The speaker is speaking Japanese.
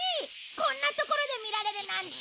こんな所で見られるなんて。